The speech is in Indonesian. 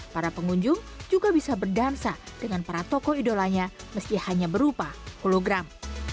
para pengunjung juga bisa berdansa dengan para tokoh idolanya meski hanya berupa kologram